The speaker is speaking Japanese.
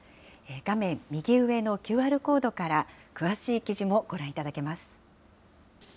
画面右上のＱＲコードから詳しい記事もご覧いただけます。